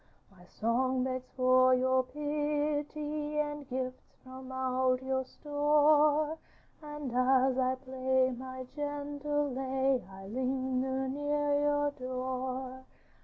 'My song begs for your pity, And gifts from out your store, And as I play my gentle lay I linger near your door.